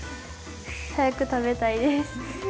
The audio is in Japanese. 早く食べたいです。